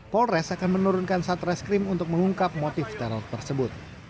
polres akan menurunkan satreskrim untuk mengungkap motif teror tersebut